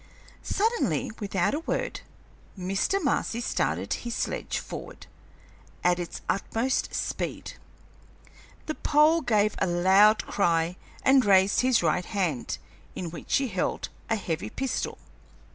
Suddenly, without a word, Mr. Marcy started his sledge forward at its utmost speed. The Pole gave a loud cry and raised his right hand, in which he held a heavy pistol.